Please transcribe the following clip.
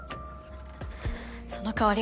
その代わり